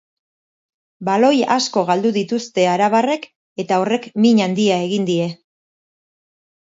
Baloi asko galdu dituzte arabarrek eta horrek min handia egin die.